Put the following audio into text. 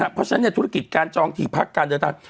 เพราะฉะนั้นธุรกิจการจองถี่พักการเดินทาง